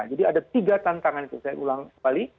jadi ada tiga tantangan saya ulang sekali